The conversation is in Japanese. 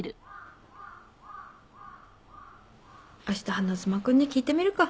あした花妻君に聞いてみるか。